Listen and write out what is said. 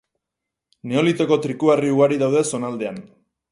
Neolitoko triku-harri ugari daude zonaldean.